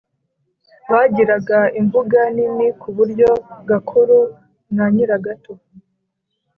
Bagiraga imbuga nini ku buryo Gakuru na Nyiragato